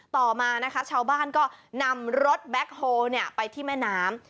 ต่อมานะคะชาวบ้านก็นำรถแบ็คโฮลไปที่แม่น้ำ